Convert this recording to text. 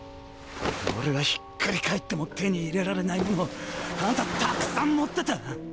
俺がひっくり返っても手に入れられないものをあんた沢山もってた。